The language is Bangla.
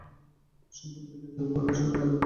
সম্প্রতি তিনি ছবি পরিবেশনার কাজে হাত দিয়েছেন।